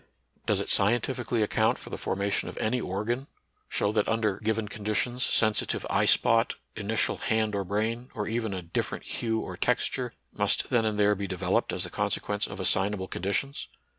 Does it scientifically account for the formation of any organ, show that under given conditions sensi tive eye spot, initial hand or brain, or even a di£ferent hue or texture, must then and there be developed as the consequence of assignable conditions?